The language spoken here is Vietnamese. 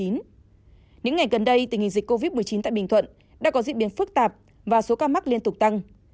những ngày gần đây tình hình dịch covid một mươi chín tại bình thuận đã có diễn biến phức tạp và số ca mắc liên tục tăng